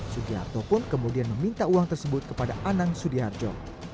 sudiharto pun kemudian meminta uang tersebut kepada anang sudiharto